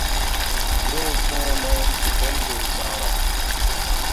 Yo pũũ no ke pelɓe caŋryaŋ.